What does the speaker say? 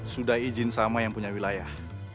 sudah izin sama yang punya wilayah